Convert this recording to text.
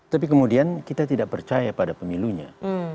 tapi kemudian kita tidak percaya pada pemilunya